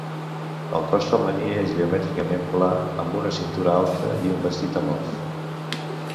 El cos femení és geomètricament pla, amb una cintura alta i un vestit amorf.